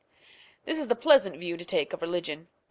This is the pleasant view to take of religion.